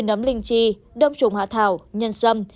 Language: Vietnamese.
nấm linh chi đâm trùng hạ thảo nhân sâm